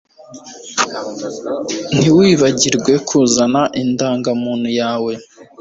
Ntiwibagirwe kuzana indangamuntu yawe